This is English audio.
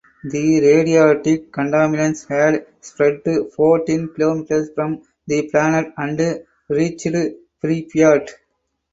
The radioactive contaminants had spread fourteen kilometers from the plant and reached Pripyat.